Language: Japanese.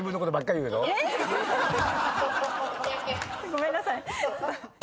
ごめんなさい。